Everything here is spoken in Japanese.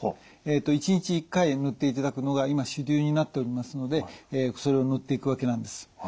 一日一回塗っていただくのが今主流になっておりますのでそれを塗っていくわけなんです。